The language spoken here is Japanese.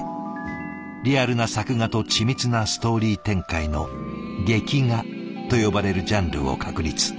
リアルな作画と緻密なストーリー展開の劇画と呼ばれるジャンルを確立。